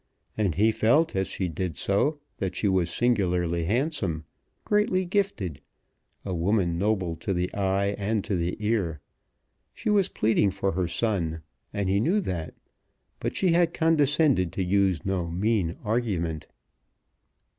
And he felt, as she did so, that she was singularly handsome, greatly gifted, a woman noble to the eye and to the ear. She was pleading for her son, and he knew that. But she had condescended to use no mean argument.